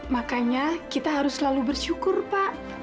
makanya kita harus selalu bersyukur pak